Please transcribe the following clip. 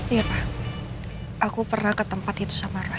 iya papa aku pernah ke tempat itu sama roy